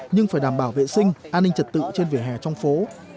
nhưng phải đảm bảo vệ sinh an ninh trật tự trên vỉa hè trong phố